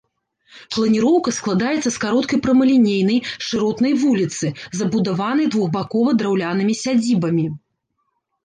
Планіроўка складаецца з кароткай прамалінейнай, шыротнай вуліцы, забудаванай двухбакова драўлянымі сядзібамі.